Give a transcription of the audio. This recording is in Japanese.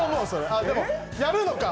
あっでもやるのか。